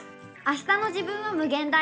あしたの自分は無限大。